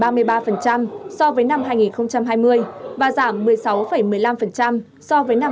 giảm một mươi một ba mươi ba so với năm hai nghìn hai mươi và giảm một mươi sáu một mươi năm so với năm hai nghìn một mươi chín